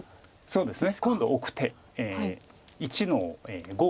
そうですね。